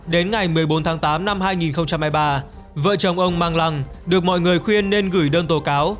đến ngày một mươi bốn tháng tám năm hai nghìn hai mươi ba vợ chồng ông mang lăng được mọi người khuyên nên gửi đơn tố cáo